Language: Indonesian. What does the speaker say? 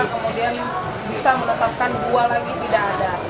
kemudian bisa menetapkan dua lagi tidak ada